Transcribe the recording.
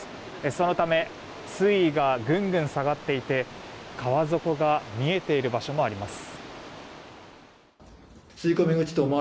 そのため水位がぐんぐん下がっていて川底が見えている場所もあります。